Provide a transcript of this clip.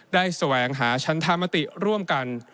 แสวงหาชั้นธรรมติร่วมกัน